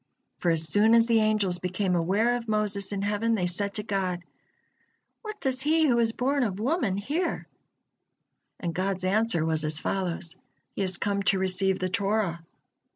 For as soon as the angels became aware of Moses in heaven, they said to God: "What does he who is born of woman here?" And God's answer was as follows: "He has come to receive the Torah."